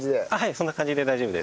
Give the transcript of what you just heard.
そんな感じで大丈夫です。